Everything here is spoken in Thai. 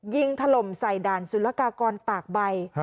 ถล่มใส่ด่านสุรกากรตากใบ